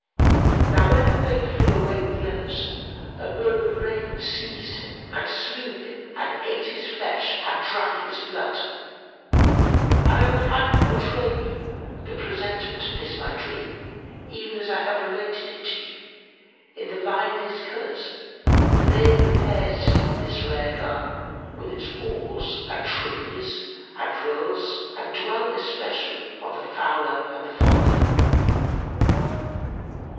Now, when her mate flew away with the others, a bird of raven seized him and slew him and ate his flesh and drank his blood, and I would have you pourtray me the presentment of this my dream, even as I have related it to you, in the liveliest colours, laying the fair scene in this rare garden, with its walls and trees and rills, and dwell especially on the fowler and the falcon.